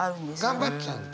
頑張っちゃうんだ。